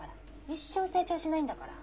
一生成長しないんだから。